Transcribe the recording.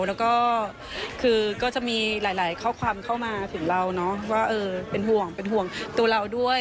แล้วก็คือก็จะมีหลายข้อความเข้ามาถึงเราเนอะว่าเป็นห่วงเป็นห่วงตัวเราด้วย